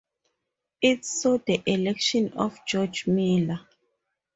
It saw the election of George Miller.